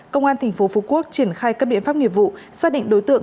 công an tp phú quốc triển khai các biện pháp nghiệp vụ xác định đối tượng